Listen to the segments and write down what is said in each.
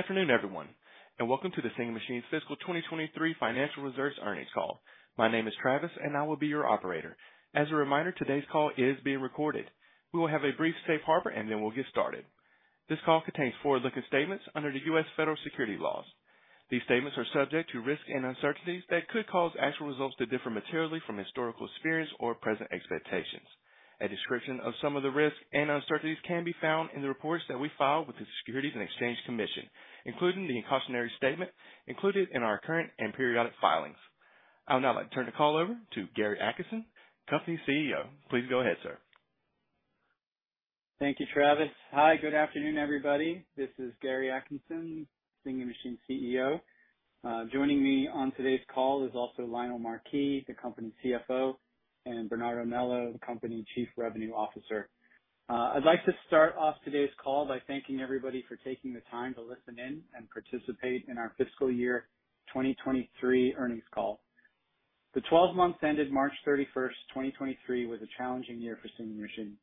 Good afternoon, everyone, and welcome to the Singing Machine's Fiscal 2023 Financial Results Earnings Call. My name is Travis, and I will be your operator. As a reminder, today's call is being recorded. We will have a brief safe harbor, and then we'll get started. This call contains forward-looking statements under the U.S. federal securities laws. These statements are subject to risks and uncertainties that could cause actual results to differ materially from historical experience or present expectations. A description of some of the risks and uncertainties can be found in the reports that we file with the Securities and Exchange Commission, including the cautionary statement included in our current and periodic filings. I would now like to turn the call over to Gary Atkinson, company CEO. Please go ahead, sir. Thank you, Travis. Hi, good afternoon, everybody. This is Gary Atkinson, Singing Machine CEO. Joining me on today's call is also Lionel Marquis, the company CFO, and Bernardo Melo, the company Chief Revenue Officer. I'd like to start off today's call by thanking everybody for taking the time to listen in and participate in our fiscal year 2023 earnings call. The 12 months ended March 31, 2023, was a challenging year for Singing Machine,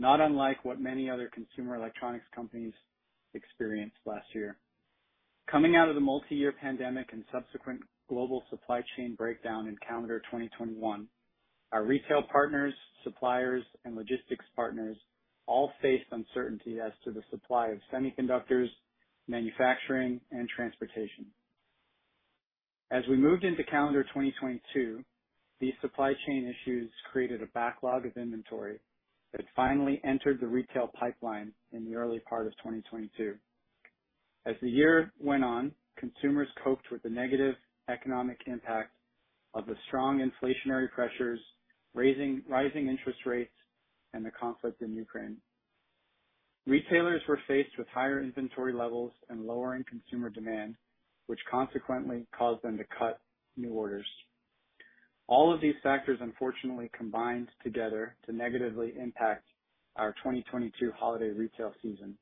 not unlike what many other consumer electronics companies experienced last year. Coming out of the multi-year pandemic and subsequent global supply chain breakdown in calendar 2021, our retail partners, suppliers, and logistics partners all faced uncertainty as to the supply of semiconductors, manufacturing, and transportation. As we moved into calendar 2022, these supply chain issues created a backlog of inventory that finally entered the retail pipeline in the early part of 2022. As the year went on, consumers coped with the negative economic impact of the strong inflationary pressures, rising interest rates, and the conflict in Ukraine. Retailers were faced with higher inventory levels and lowering consumer demand, which consequently caused them to cut new orders. All of these factors, unfortunately, combined together to negatively impact our 2022 holiday retail season,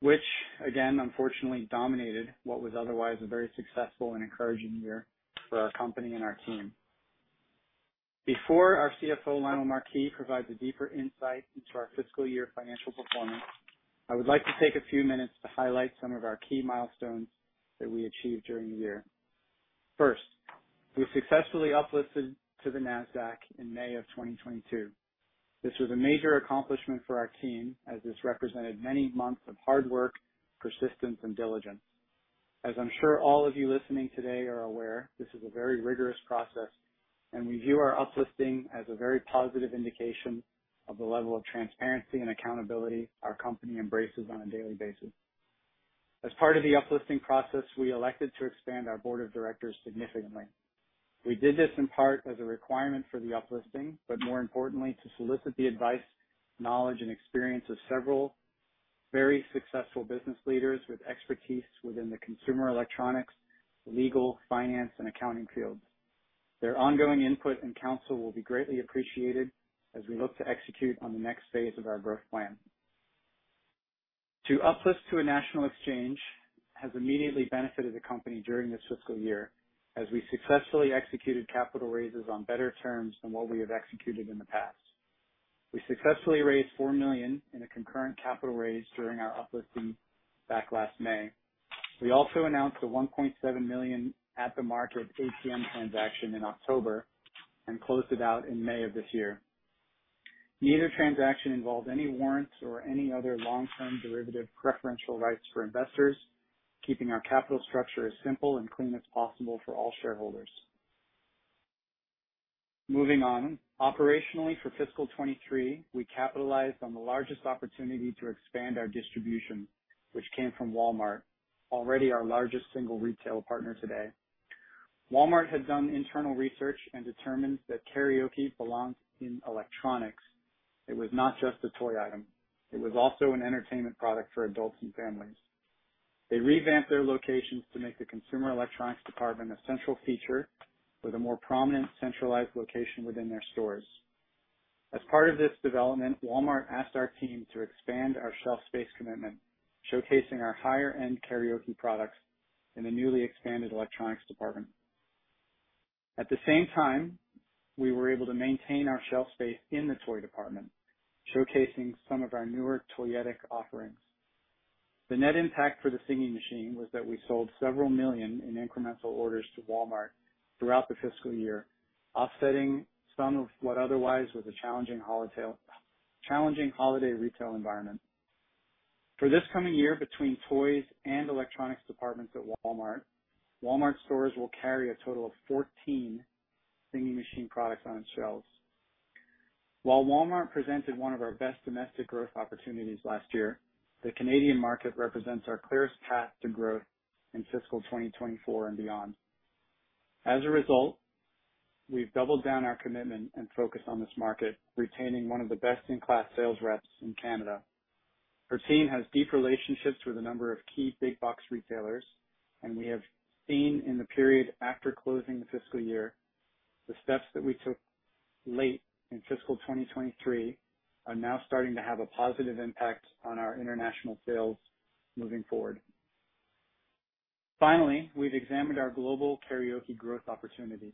which again, unfortunately, dominated what was otherwise a very successful and encouraging year for our company and our team. Before our CFO, Lionel Marquis, provides a deeper insight into our fiscal year financial performance, I would like to take a few minutes to highlight some of our key milestones that we achieved during the year. First, we successfully uplisted to the Nasdaq in May of 2022. This was a major accomplishment for our team, as this represented many months of hard work, persistence, and diligence. As I'm sure all of you listening today are aware, this is a very rigorous process, and we view our uplisting as a very positive indication of the level of transparency and accountability our company embraces on a daily basis. As part of the uplisting process, we elected to expand our board of directors significantly. We did this in part as a requirement for the uplisting, but more importantly, to solicit the advice, knowledge, and experience of several very successful business leaders with expertise within the consumer electronics, legal, finance, and accounting fields. Their ongoing input and counsel will be greatly appreciated as we look to execute on the next phase of our growth plan. To uplift to a national exchange has immediately benefited the company during this fiscal year, as we successfully executed capital raises on better terms than what we have executed in the past. We successfully raised $4 million in a concurrent capital raise during our uplisting back last May. We also announced a $1.7 million at-the-market ATM transaction in October and closed it out in May of this year. Neither transaction involved any warrants or any other long-term derivative preferential rights for investors, keeping our capital structure as simple and clean as possible for all shareholders. Moving on. Operationally, for fiscal 2023, we capitalized on the largest opportunity to expand our distribution, which came from Walmart, already our largest single retail partner today. Walmart had done internal research and determined that karaoke belongs in electronics. It was not just a toy item, it was also an entertainment product for adults and families. They revamped their locations to make the consumer electronics department a central feature with a more prominent, centralized location within their stores. As part of this development, Walmart asked our team to expand our shelf space commitment, showcasing our higher-end karaoke products in the newly expanded electronics department. At the same time, we were able to maintain our shelf space in the toy department, showcasing some of our newer toyetic offerings. The net impact for the Singing Machine was that we sold $several million in incremental orders to Walmart throughout the fiscal year, offsetting some of what otherwise was a challenging Holiday retail environment. For this coming year, between toys and electronics departments at Walmart stores will carry a total of 14 Singing Machine products on its shelves. While Walmart presented one of our best domestic growth opportunities last year, the Canadian market represents our clearest path to growth in fiscal 2024 and beyond. As a result, we've doubled down our commitment and focus on this market, retaining one of the best-in-class sales reps in Canada. Her team has deep relationships with a number of key big box retailers, and we have seen in the period after closing the fiscal year, the steps that we took late in fiscal 2023 are now starting to have a positive impact on our international sales moving forward. Finally, we've examined our global karaoke growth opportunities.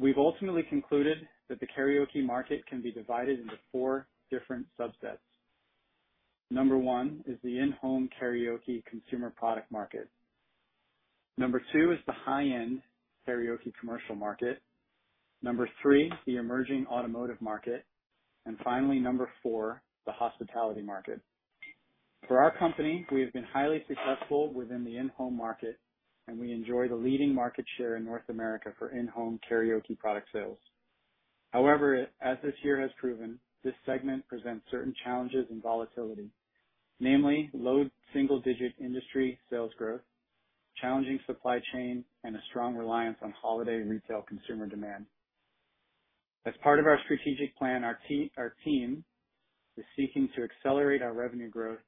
We've ultimately concluded that the karaoke market can be divided into four different subsets. Number one is the in-home karaoke consumer product market. Number two is the high-end karaoke commercial market. Number three, the emerging automotive market, and finally, Number four, the hospitality market. For our company, we have been highly successful within the in-home market, and we enjoy the leading market share in North America for in-home karaoke product sales. However, as this year has proven, this segment presents certain challenges and volatility, namely low single-digit industry sales growth, challenging supply chain, and a strong reliance on holiday retail consumer demand. As part of our strategic plan, our team is seeking to accelerate our revenue growth,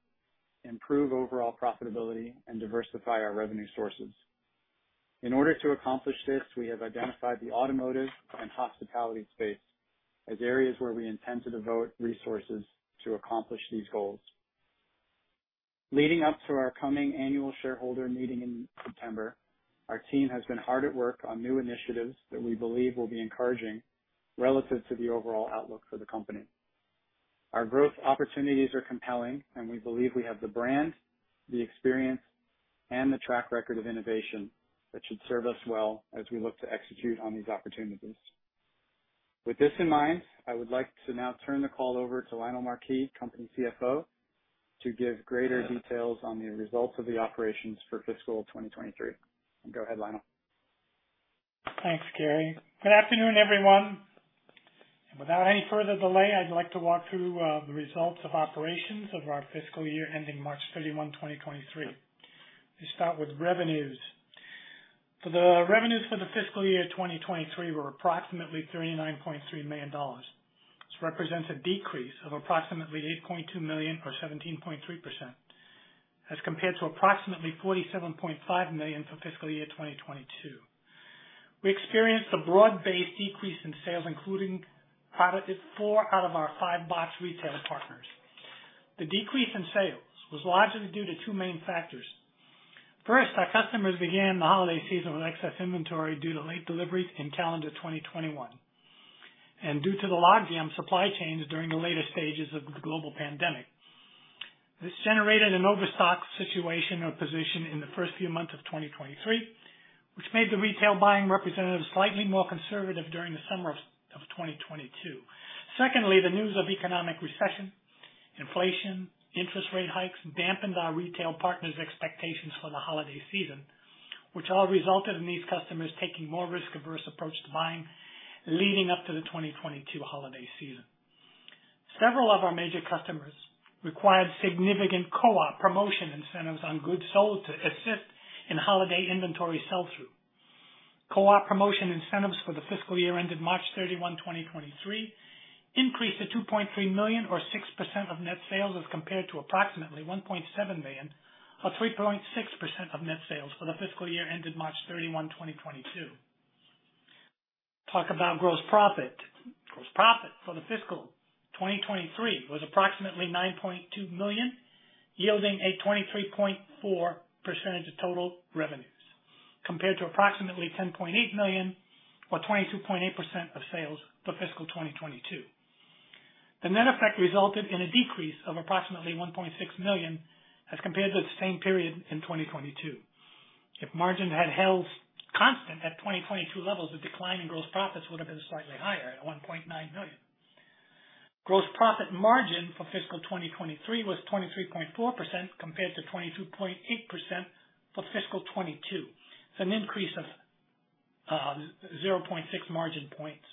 improve overall profitability, and diversify our revenue sources. In order to accomplish this, we have identified the automotive and hospitality space as areas where we intend to devote resources to accomplish these goals. Leading up to our coming annual shareholder meeting in September, our team has been hard at work on new initiatives that we believe will be encouraging relative to the overall outlook for the company. Our growth opportunities are compelling, and we believe we have the brand, the experience, and the track record of innovation that should serve us well as we look to execute on these opportunities. With this in mind, I would like to now turn the call over to Lionel Marquis, Company CFO, to give greater details on the results of the operations for fiscal 2023. Go ahead, Lionel. Thanks, Gary. Good afternoon, everyone. Without any further delay, I'd like to walk through the results of operations of our fiscal year ending March 31, 2023. We start with revenues. The revenues for the fiscal year 2023 were approximately $39.3 million. This represents a decrease of approximately $8.2 million, or 17.3%, as compared to approximately $47.5 million for fiscal year 2022. We experienced a broad-based decrease in sales, including product at four out of our five box retail partners. The decrease in sales was largely due to two main factors. First, our customers began the holiday season with excess inventory due to late deliveries in calendar 2021, and due to the logjam supply chains during the later stages of the global pandemic. This generated an overstock situation or position in the first few months of 2023, which made the retail buying representative slightly more conservative during the summer of 2022. The news of economic recession, inflation, interest rate hikes dampened our retail partners' expectations for the holiday season, which all resulted in these customers taking more risk-averse approach to buying leading up to the 2022 holiday season. Several of our major customers required significant co-op promotion incentives on goods sold to assist in holiday inventory sell-through. Co-op promotion incentives for the fiscal year ended March 31, 2023, increased to $2.3 million, or 6% of net sales, as compared to approximately $1.7 million, or 3.6% of net sales for the fiscal year ended March 31, 2022. Talk about gross profit. Gross profit for the fiscal 2023 was approximately $9.2 million, yielding a 23.4% of total revenues, compared to approximately $10.8 million, or 22.8% of sales for fiscal 2022. The net effect resulted in a decrease of approximately $1.6 million as compared to the same period in 2022. If margin had held constant at 2022 levels, the decline in gross profits would have been slightly higher at $1.9 million. Gross profit margin for fiscal 2023 was 23.4%, compared to 22.8% for fiscal 2022. It's an increase of 0.6 margin points.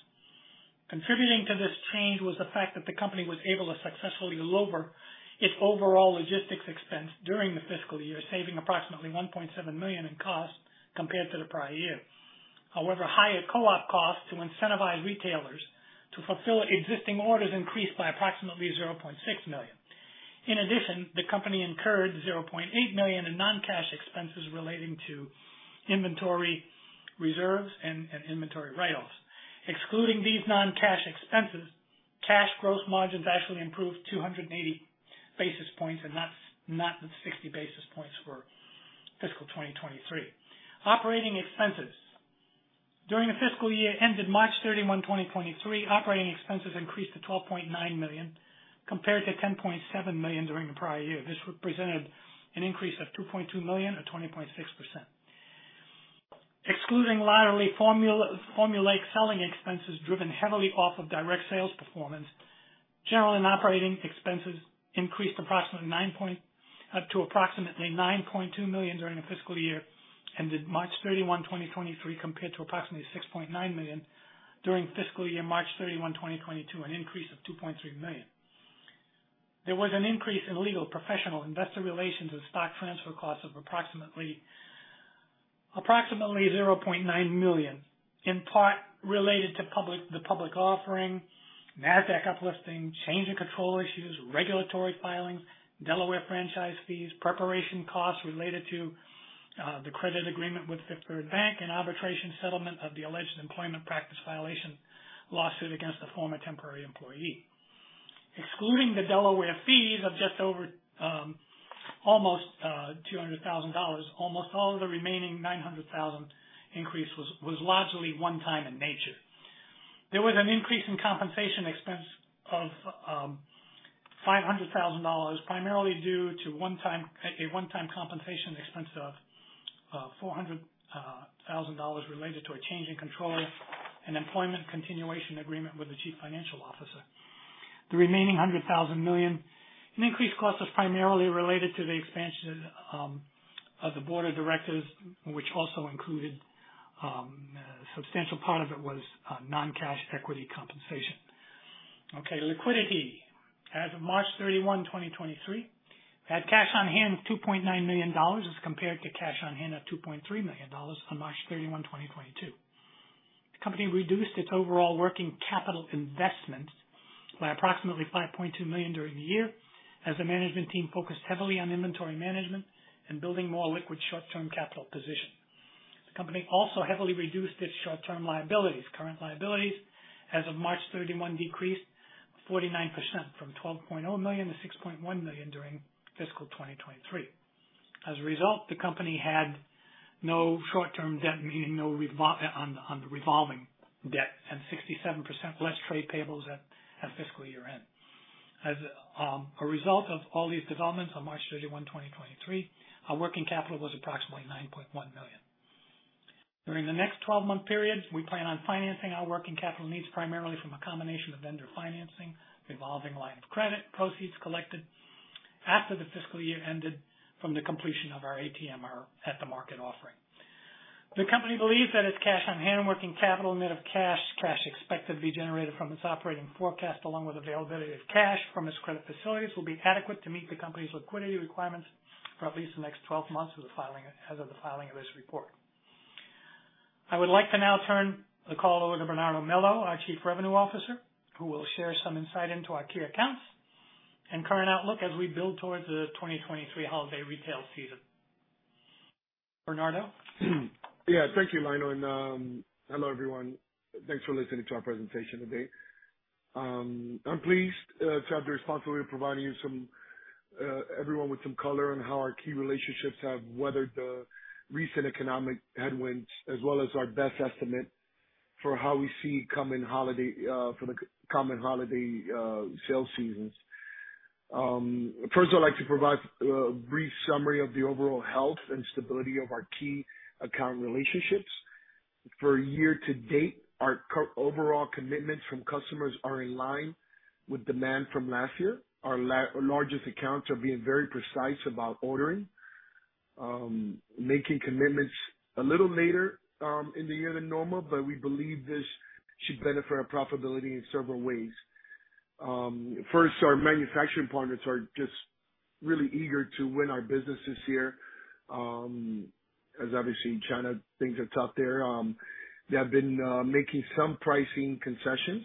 Contributing to this change was the fact that the company was able to successfully lower its overall logistics expense during the fiscal year, saving approximately $1.7 million in costs compared to the prior year. Higher co-op costs to incentivize retailers to fulfill existing orders increased by approximately $0.6 million. The company incurred $0.8 million in non-cash expenses relating to inventory reserves and inventory write-offs. Excluding these non-cash expenses, cash gross margins actually improved 280 basis points, that's not the 60 basis points for fiscal 2023. Operating expenses. During the fiscal year ended March 31, 2023, operating expenses increased to $12.9 million, compared to $10.7 million during the prior year. This represented an increase of $2.2 million, or 20.6%. Excluding laterally formulaic selling expenses driven heavily off of direct sales performance, general and operating expenses increased to approximately $9.2 million during the fiscal year, ended March 31, 2023, compared to approximately $6.9 million during fiscal year March 31, 2022, an increase of $2.3 million. There was an increase in legal, professional, investor relations and stock transfer costs of approximately $0.9 million, in part related to the public offering, Nasdaq uplisting, change in control issues, regulatory filings, Delaware franchise fees, preparation costs related to the credit agreement with Fifth Third Bank, and arbitration settlement of the alleged employment practice violation lawsuit against a former temporary employee. excluding the Delaware fees of just over $200,000, almost all of the remaining $900,000 increase was largely one time in nature. There was an increase in compensation expense of $500,000, primarily due to a one-time compensation expense of $400,000 related to a change in control and employment continuation agreement with the Chief Financial Officer. The remaining $100,000 in increased costs was primarily related to the expansion of the board of directors, which also included a substantial part of it was non-cash equity compensation. Liquidity. As of March 31, 2023, we had cash on hand of $2.9 million as compared to cash on hand of $2.3 million on March 31, 2022. The company reduced its overall working capital investment by approximately $5.2 million during the year, as the management team focused heavily on inventory management and building more liquid short-term capital position. The company also heavily reduced its short-term liabilities. Current liabilities as of March 31, decreased 49% from $12.0 million-$6.1 million during fiscal 2023. As a result, the company had no short-term debt, meaning no on the revolving debt, and 67% less trade payables at fiscal year-end. As a result of all these developments, on March 31, 2023, our working capital was approximately $9.1 million. During the next 12-month period, we plan on financing our working capital needs, primarily from a combination of vendor financing, revolving line of credit, proceeds collected after the fiscal year ended from the completion of our ATM at-the-market offering. The company believes that its cash on hand and working capital, net of cash expected to be generated from its operating forecast, along with availability of cash from its credit facilities, will be adequate to meet the company's liquidity requirements for at least the next 12 months of the filing, as of the filing of this report. I would like to now turn the call over to Bernardo Melo, our Chief Revenue Officer, who will share some insight into our key accounts and current outlook as we build towards the 2023 holiday retail season. Bernardo? Yeah. Thank you, Lionel, and hello, everyone. Thanks for listening to our presentation today. I'm pleased to have the responsibility of providing everyone with some color on how our key relationships have weathered the recent economic headwinds, as well as our best estimate for how we see coming holiday for the coming holiday sales seasons. First, I'd like to provide a brief summary of the overall health and stability of our key account relationships. For year to date, our overall commitments from customers are in line with demand from last year. Our largest accounts are being very precise about ordering, making commitments a little later in the year than normal, but we believe this should benefit our profitability in several ways. First, our manufacturing partners are just really eager to win our business this year, as obviously China, things are tough there. They have been making some pricing concessions.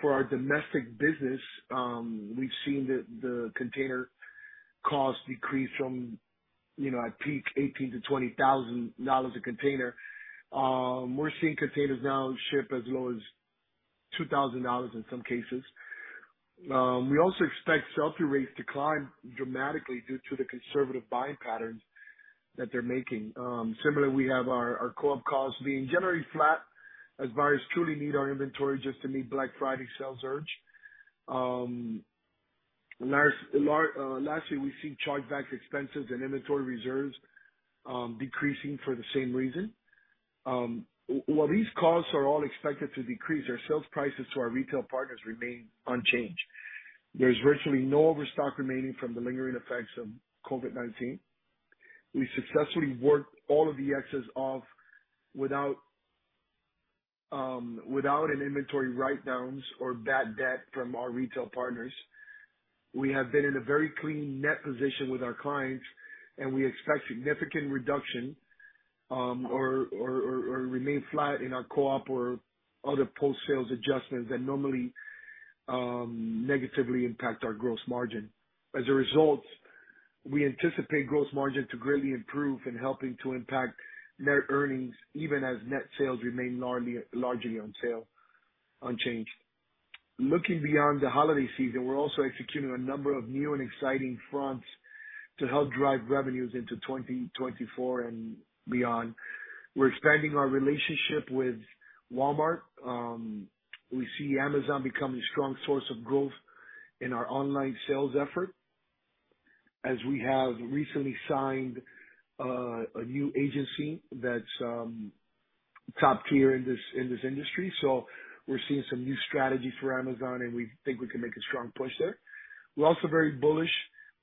For our domestic business, we've seen the container costs decrease from, you know, at peak $18,000-$20,000 a container. We're seeing containers now ship as low as $2,000 in some cases. We also expect sell-through rates to climb dramatically due to the conservative buying patterns that they're making. Similarly, we have our co-op costs being generally flat as buyers truly need our inventory just to meet Black Friday sales surge. Lastly, we see chargeback expenses and inventory reserves decreasing for the same reason. While these costs are all expected to decrease, our sales prices to our retail partners remain unchanged. There's virtually no overstock remaining from the lingering effects of COVID-19. We successfully worked all of the excess off without an inventory write-downs or bad debt from our retail partners. We have been in a very clean net position with our clients, and we expect significant reduction or remain flat in our co-op or other post-sales adjustments that normally negatively impact our gross margin. As a result, we anticipate gross margin to greatly improve in helping to impact net earnings, even as net sales remain largely on sale unchanged. Looking beyond the holiday season, we're also executing a number of new and exciting fronts to help drive revenues into 2024 and beyond. We're expanding our relationship with Walmart. We see Amazon becoming a strong source of growth in our online sales effort, as we have recently signed a new agency that's top tier in this, in this industry. We're seeing some new strategy for Amazon, and we think we can make a strong push there. We're also very bullish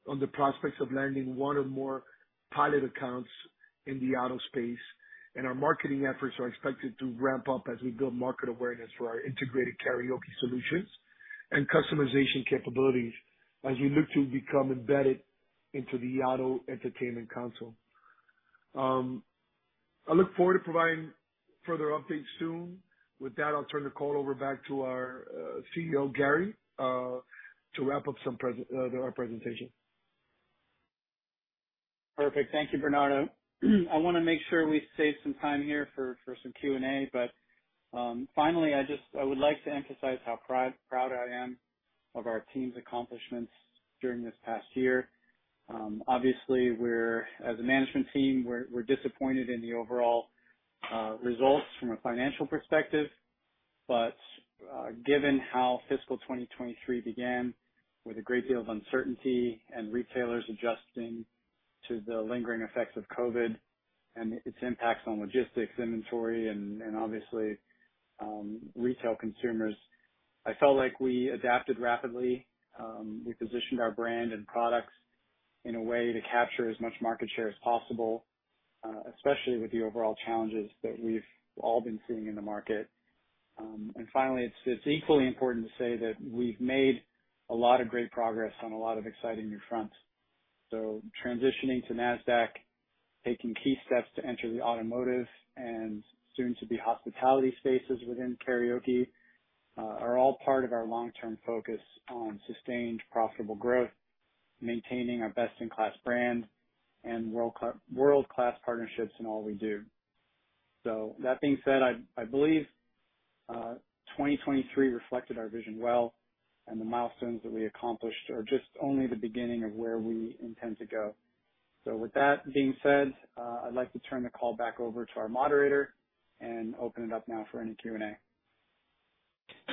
on the prospects of landing one or more pilot accounts in the auto space, and our marketing efforts are expected to ramp up as we build market awareness for our integrated karaoke solutions and customization capabilities as we look to become embedded into the auto entertainment console. I look forward to providing further updates soon. With that, I'll turn the call over back to our CEO, Gary, to wrap up our presentation. Perfect. Thank you, Bernardo. I wanna make sure we save some time here for some Q&A. Finally, I would like to emphasize how proud I am of our team's accomplishments during this past year. Obviously, we're, as a management team, we're disappointed in the overall results from a financial perspective. Given how fiscal 2023 began, with a great deal of uncertainty and retailers adjusting to the lingering effects of COVID-19 and its impacts on logistics, inventory, and obviously, retail consumers, I felt like we adapted rapidly. We positioned our brand and products in a way to capture as much market share as possible, especially with the overall challenges that we've all been seeing in the market. Finally, it's equally important to say that we've made a lot of great progress on a lot of exciting new fronts. Transitioning to Nasdaq, taking key steps to enter the automotive, and soon-to-be hospitality spaces within karaoke, are all part of our long-term focus on sustained profitable growth, maintaining our best-in-class brand and world-class partnerships in all we do. That being said, I believe, 2023 reflected our vision well, and the milestones that we accomplished are just only the beginning of where we intend to go. With that being said, I'd like to turn the call back over to our moderator and open it up now for any Q&A.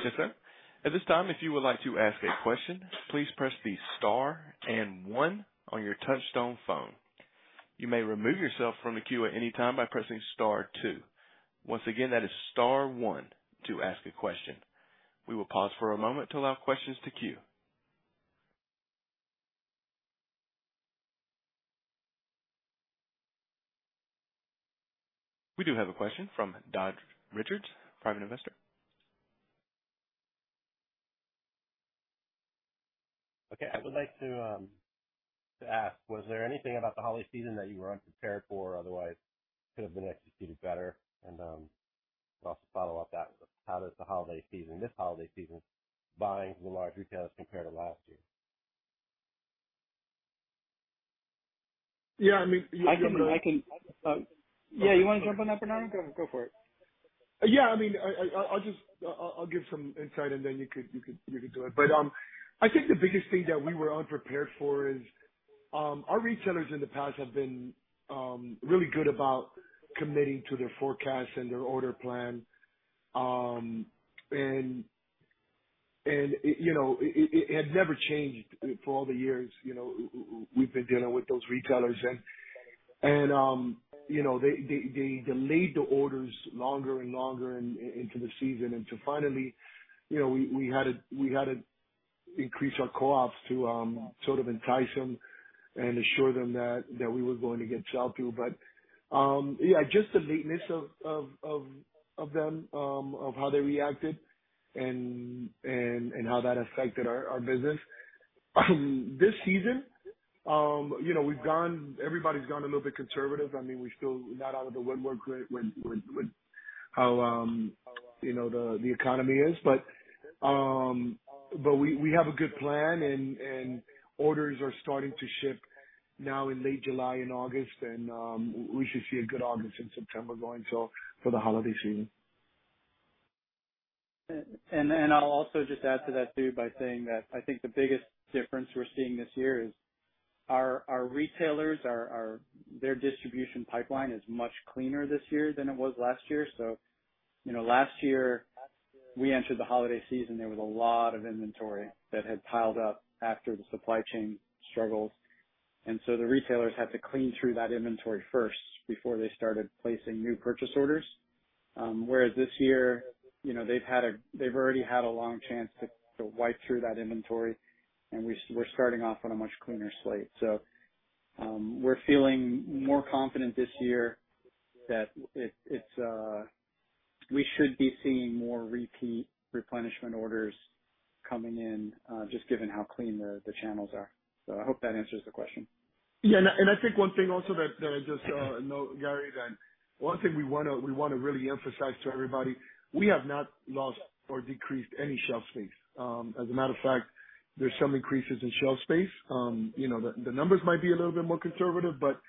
Yes, sir. At this time, if you would like to ask a question, please press the star and one on your touchtone phone. You may remove yourself from the queue at any time by pressing star two. Once again, that is star one to ask a question. We will pause for a moment to allow questions to queue. We do have a question from Dodge Richards, private investor. Okay. I would like to ask, was there anything about the holiday season that you were unprepared for or otherwise could have been executed better? Also follow up that, how does this holiday season, buying from the large retailers compare to last year? Yeah, I mean. I can. Yeah, you wanna jump on that, Bernardo? Go for it. Yeah, I mean, I'll just give some insight and then you could do it. I think the biggest thing that we were unprepared for is, our retailers in the past have been, really good about committing to their forecast and their order plan. You know, it had never changed for all the years, you know, we've been dealing with those retailers. You know, they delayed the orders longer and longer into the season. To finally, you know, we had to increase our co-ops to sort of entice them and assure them that we were going to get sell through. Yeah, just the lateness of them, of how they reacted and how that affected our business. This season, you know, we've gone. Everybody's gone a little bit conservative. I mean, we're still not out of the woodwork with how, you know, the economy is. We have a good plan, and orders are starting to ship now in late July and August. We should see a good August and September going so for the holiday season. And I'll also just add to that, too, by saying that I think the biggest difference we're seeing this year is our retailers, their distribution pipeline is much cleaner this year than it was last year. You know, last year we entered the holiday season, there was a lot of inventory that had piled up after the supply chain struggles, and the retailers had to clean through that inventory first before they started placing new purchase orders. Whereas this year, you know, they've already had a long chance to wipe through that inventory, and we're starting off on a much cleaner slate. We're feeling more confident this year that it's, we should be seeing more repeat replenishment orders coming in, just given how clean the channels are. I hope that answers the question. I think one thing also that just note, Gary, that one thing we wanna really emphasize to everybody, we have not lost or decreased any shelf space. As a matter of fact, there's some increases in shelf space. You know, the numbers might be a little bit more conservative, but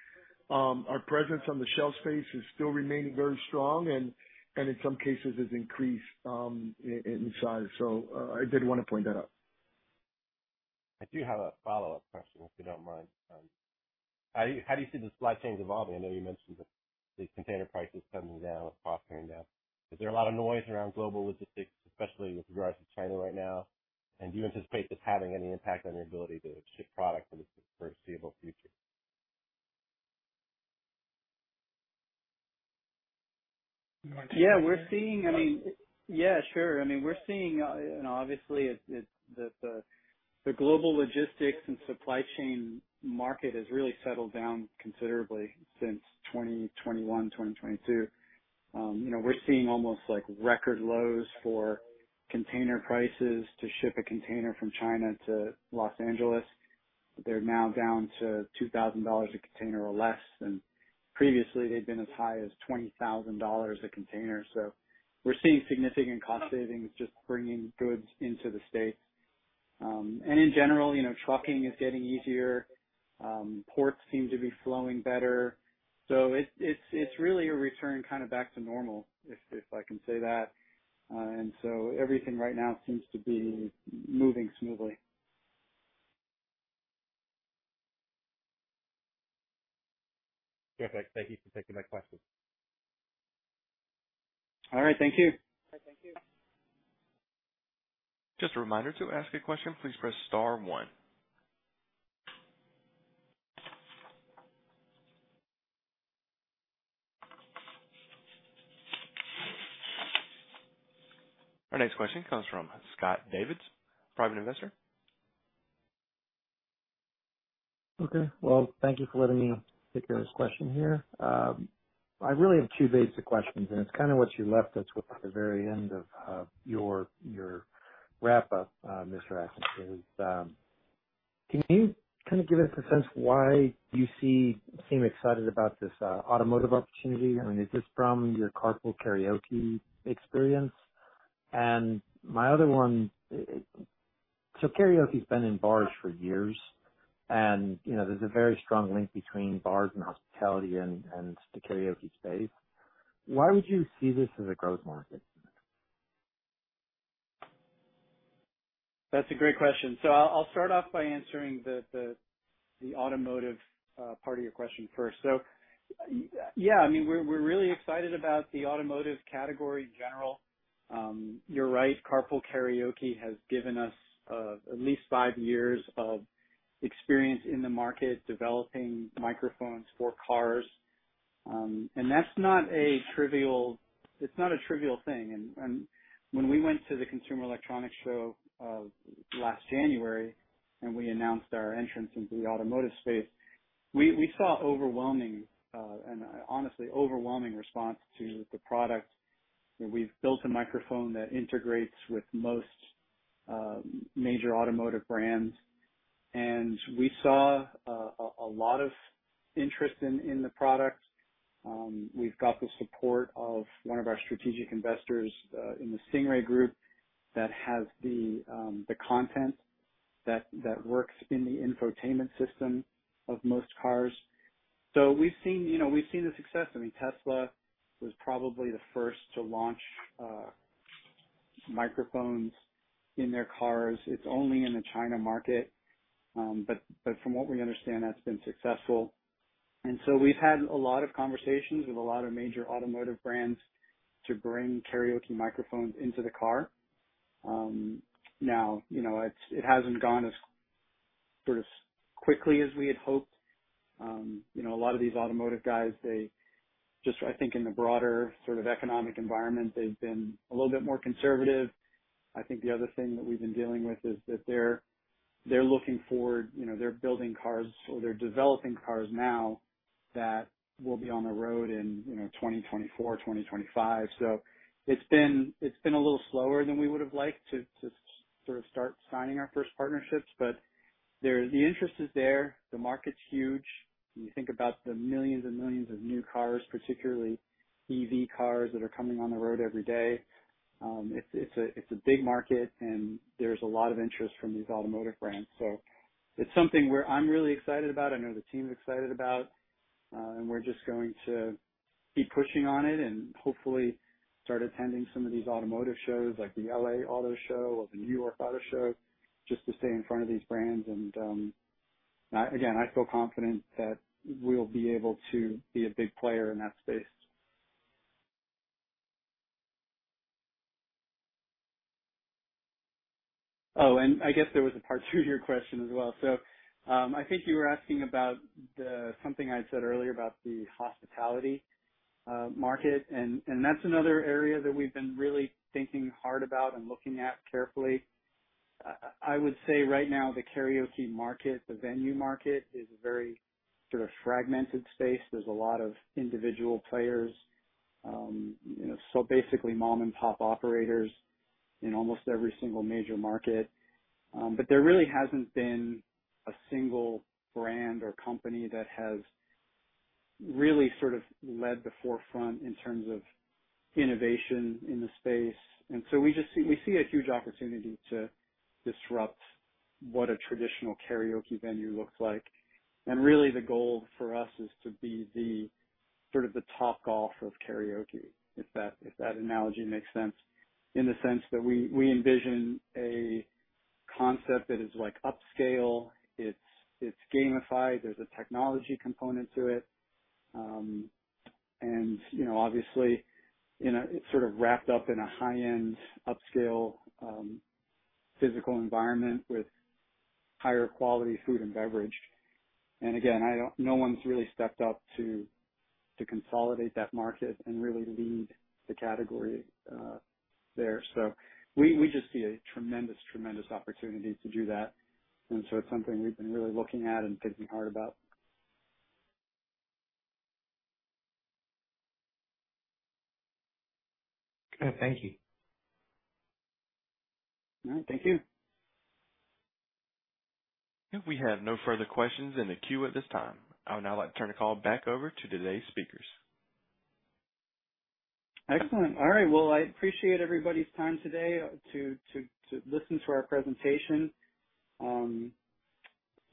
our presence on the shelf space is still remaining very strong and in some cases has increased in size. I did want to point that out. I do have a follow-up question, if you don't mind. How do you see the supply chains evolving? I know you mentioned the container prices coming down or costing down. Is there a lot of noise around global logistics, especially with regards to China right now? Do you anticipate this having any impact on your ability to ship product for the foreseeable future? Yeah, we're seeing. I mean, yeah, sure. I mean, we're seeing, you know, obviously, the global logistics and supply chain market has really settled down considerably since 2021, 2022. You know, we're seeing almost, like, record lows for container prices to ship a container from China to Los Angeles. They're now down to $2,000 a container or less, and previously they'd been as high as $20,000 a container. We're seeing significant cost savings, just bringing goods into the States. In general, you know, trucking is getting easier. Ports seem to be flowing better. It's really a return kind of back to normal, if I can say that. Everything right now seems to be moving smoothly. Perfect. Thank you for taking my question. All right, thank you. Just a reminder, to ask a question, please press star one. Our next question comes from Scott Davids, Private investor. Okay, well, thank you for letting me take care of this question here. I really have two basic questions, and it's kind of what you left us with at the very end of your wrap up, Mr. Atkinson, is, can you kind of give us a sense why you seem excited about this automotive opportunity? I mean, is this from your Carpool Karaoke experience? My other one, karaoke's been in bars for years, and, you know, there's a very strong link between bars and hospitality and the karaoke space. Why would you see this as a growth market? That's a great question. I'll start off by answering the automotive part of your question first. Yeah, I mean, we're really excited about the automotive category in general. You're right, Carpool Karaoke has given us at least five years of experience in the market, developing microphones for cars. That's not a trivial thing. When we went to the Consumer Electronics Show last January, and we announced our entrance into the automotive space, we saw overwhelming and honestly, overwhelming response to the product. You know, we've built a microphone that integrates with most major automotive brands, and we saw a lot of interest in the product. We've got the support of one of our strategic investors in the Stingray Group, that has the content that works in the infotainment system of most cars. We've seen, you know, we've seen the success. I mean, Tesla was probably the first to launch microphones in their cars. It's only in the China market, but from what we understand, that's been successful. We've had a lot of conversations with a lot of major automotive brands to bring karaoke microphones into the car. You know, it hasn't gone as sort of quickly as we had hoped. You know, a lot of these automotive guys, they just I think in the broader sort of economic environment, they've been a little bit more conservative. I think the other thing that we've been dealing with is that they're looking for, you know, they're building cars or they're developing cars now that will be on the road in, you know, 2024, 2025. It's been a little slower than we would have liked to sort of start signing our first partnerships. The interest is there. The market's huge. When you think about the millions and millions of new cars, particularly EV cars, that are coming on the road every day, it's a big market, and there's a lot of interest from these automotive brands. It's something where I'm really excited about. I know the team is excited about, and we're just going to keep pushing on it and hopefully start attending some of these automotive shows, like the L.A. Auto Show or the N.Y. Auto Show, just to stay in front of these brands. I, again, I feel confident that we'll be able to be a big player in that space. I guess there was a part two to your question as well. I think you were asking about something I had said earlier about the hospitality market, and that's another area that we've been really thinking hard about and looking at carefully. I would say right now, the karaoke market, the venue market, is a very sort of fragmented space. There's a lot of individual players, you know, so basically, mom and pop operators in almost every single major market. But there really hasn't been a single brand or company that has really sort of led the forefront in terms of innovation in the space. We just see, we see a huge opportunity to disrupt what a traditional karaoke venue looks like. The goal for us is to be the sort of the Topgolf of karaoke, if that, if that analogy makes sense, in the sense that we envision a concept that is, like, upscale, it's gamified, there's a technology component to it. You know, obviously in a, it's sort of wrapped up in a high-end, upscale, physical environment with higher quality food and beverage. Again, no one's really stepped up to consolidate that market and really lead the category there. We just see a tremendous opportunity to do that. It's something we've been really looking at and thinking hard about. Good. Thank you. All right. Thank you. We have no further questions in the queue at this time. I would now like to turn the call back over to today's speakers. Excellent. All right, well, I appreciate everybody's time today to listen to our presentation.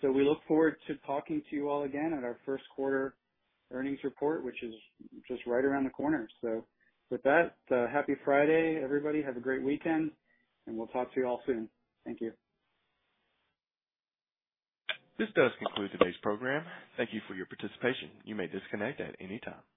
We look forward to talking to you all again at our first quarter earnings report, which is just right around the corner. With that, happy Friday, everybody. Have a great weekend, and we'll talk to you all soon. Thank you. This does conclude today's program. Thank you for your participation. You may disconnect at any time.